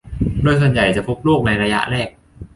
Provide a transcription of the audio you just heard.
โดยส่วนใหญ่จะพบโรคในระยะแรก